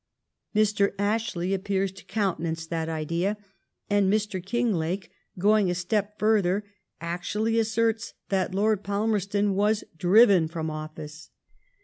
Mr. Ashley appears to ^countenance that idea, and Mr. Kinglake, going a step ifiirther, actually asserts that Lord Palmerston was ^' driven from office.''